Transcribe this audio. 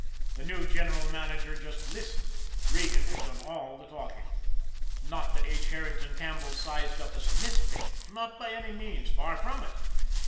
The new general manager just listened. Regan had done all the talking. Not that H. Herrington Campbell sized up as a misfit, not by any means, far from it!